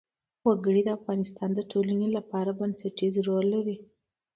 وګړي د افغانستان د ټولنې لپاره بنسټيز رول لري.